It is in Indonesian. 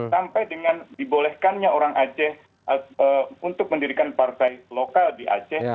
sampai dengan dibolehkannya orang aceh untuk mendirikan partai lokal di aceh